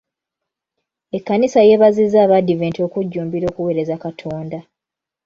Ekkanisa yeebazizza Abaadiventi okujjumbira okuweereza Katonda.